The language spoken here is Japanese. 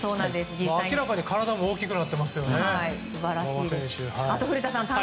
明らかに体も大きくなってますよね